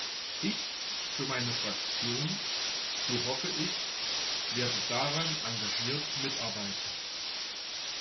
Ich, für meine Fraktion, so hoffe ich, werde daran engagiert mitarbeiten.